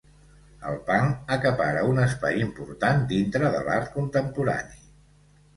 El punk acapara un espai important dintre de l'art contemporani